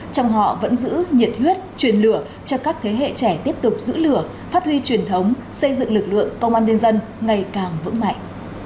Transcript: trong họ vẫn giữ nhiệt huyết truyền lửa cho các thế hệ trẻ tiếp tục giữ lửa phát huy truyền thống xây dựng lực lượng công an nhân dân ngày càng vững mạnh